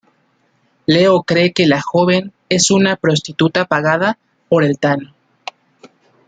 Leo cree que la joven es una prostituta pagada por el Tano.